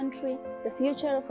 masa depan negara